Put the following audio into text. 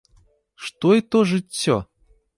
Што й то жыццё?